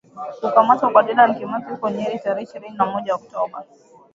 Kukamatwa kwa Dedan Kimathi huko Nyeri tarehe ishirini na moja Oktoba